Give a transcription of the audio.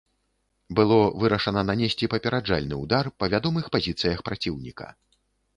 Было вырашана нанесці папераджальны ўдар па вядомых пазіцыях праціўніка.